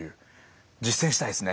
実践したいですね。